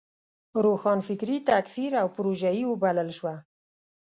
روښانفکري تکفیر او پروژيي وبلل شوه.